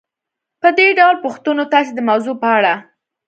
په دې ډول پوښتنو تاسې د موضوع په اړه